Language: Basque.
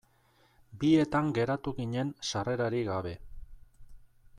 Bietan geratu ginen sarrerarik gabe.